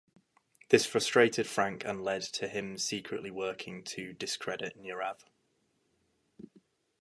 This frustrated Frank and led to him secretly working to discredit Neurath.